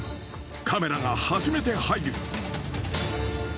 カメラが初めて入る。